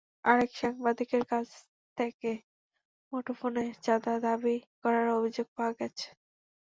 আরেক সাংবাদিকের কাছ থেকে মুঠোফোনে চাঁদা দাবি করার অভিযোগ পাওয়া গেছে।